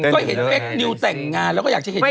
ก็เห็นเฟคนิวแต่งงานแล้วก็อยากจะเห็น